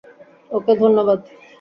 ওকে - ধন্যবাদ।